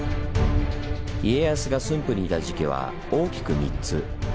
家康が駿府にいた時期は大きく３つ。